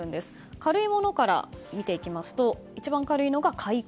軽いものから見ていきますと一番軽いのが戒告。